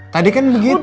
tadi kan begitu